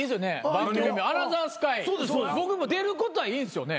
番組名『アナザースカイ』僕も出ることはいいんですよね？